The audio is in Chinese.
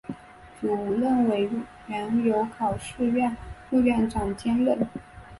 主任委员由考试院副院长兼任。